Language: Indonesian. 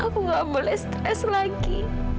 aku nggak boleh stres lagi